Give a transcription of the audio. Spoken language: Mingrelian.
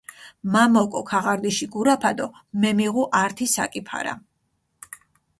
მა მოკო ქაღარდიში გურაფა დო მემიღუ ართი საკი ფარა.